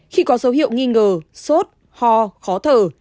khi có dấu hiệu nghi ngờ sốt ho khó thở